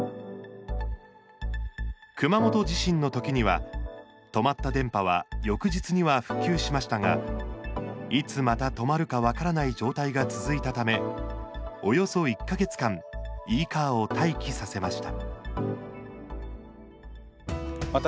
熊本地震のときには止まった電波は翌日には復旧しましたがいつまた止まるか分からない状態が続いたためおよそ１か月間Ｅカーを待機させました。